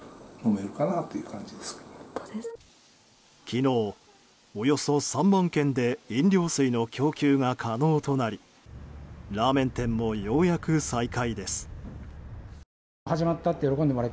昨日、およそ３万軒で飲料水の供給が可能となりラーメン店もようやく再開です。